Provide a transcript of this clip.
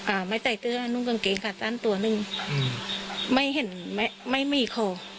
อ่าไม่ใส่เสื้อนุ่งกางเกงขาสั้นตัวหนึ่งอืมไม่เห็นไม่ไม่มีคอ